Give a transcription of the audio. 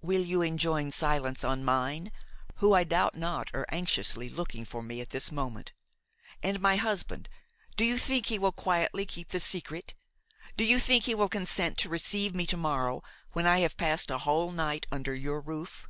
"Will you enjoin silence on mine who, I doubt not, are anxiously looking for me at this moment. And my husband, do you think he will quietly keep the secret? do you think he will consent to receive me to morrow, when I have passed a whole night under your roof?